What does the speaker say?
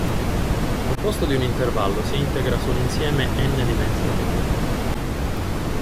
Al posto di un intervallo si integra su un insieme "n"-dimensionale.